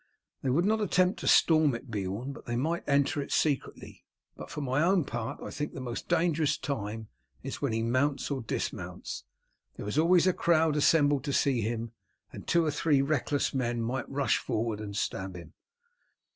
"They would not attempt to storm it, Beorn, but they might enter it secretly. But for my own part I think the most dangerous time is when he mounts or dismounts. There is always a crowd assembled to see him, and two or three reckless men might rush forward and stab him."